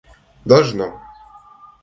должно